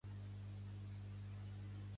Pertany al moviment independentista el Lluís?